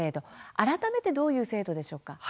改めてどういう制度でしょうか？